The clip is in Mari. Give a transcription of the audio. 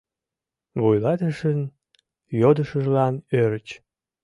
Вуйлатышын йодышыжлан ӧрыч.